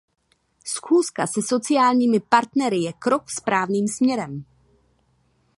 Schůzka se sociálními partnery je krok správným směrem.